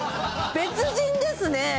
別人ですね！